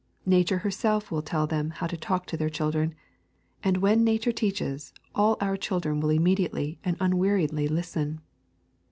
Nature herself will then tell them how to talk to their children, and when Nature teaches, all our children will immediately and unweariedly listen.